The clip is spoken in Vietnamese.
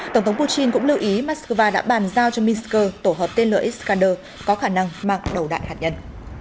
tổng thống putin cũng lưu ý moscow đã bàn giao cho minsk tổ hợp tên lửa iskander có khả năng mặc đầu đại hạt nhân